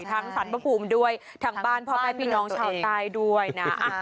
ทั้งสารประภูมิด้วยทางบ้านพอไปพี่น้องชาวใต้ด้วยน่ะอ่า